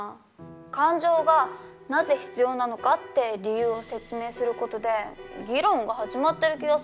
感情がなぜ必要なのかって理由を説明する事で議論が始まってる気がするんだけど。